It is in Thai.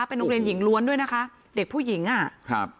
เป็นโรงเรียนหญิงล้วนด้วยนะคะเด็กผู้หญิงอ่ะครับ